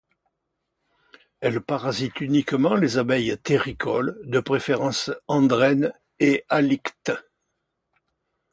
Elle parasitent uniquement les abeilles terricoles, de préférence andrènes et halictes.